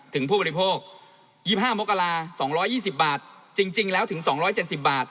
ถึงผู้บริโภคยี่ห้าโมกราสองร้อยยี่สิบบาทจริงจริงแล้วถึงสองร้อยเจ็ดสิบบาท